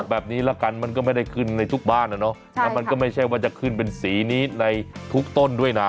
แบบนี้ละกันมันก็ไม่ได้ขึ้นในทุกบ้านนะเนาะแล้วมันก็ไม่ใช่ว่าจะขึ้นเป็นสีนี้ในทุกต้นด้วยนะ